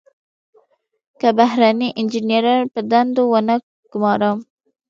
که بهرني انجنیران په دندو ونه ګمارم.